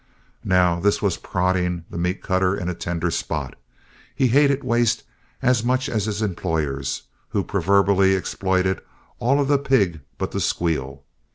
Now this was prodding the meat cutter in a tender spot. He hated waste as much as his employers, who proverbially exploited all of the pig but the squeal.